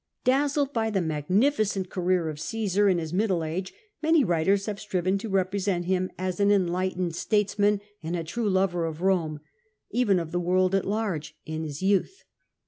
Dazzled by the magnificent career of Csesar in his middle age, many writers have striven to represent him as an enlightened statesman and a true lover of Rome (even of the world at large !) in his youth.